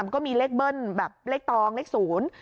ก็มีเลขเบิ้ลแบบเลขตองเลขศูนย์